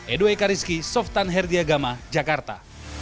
edwai karisky softan herdiagama jakarta